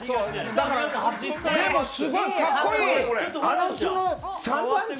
でも、すごいかっこいい！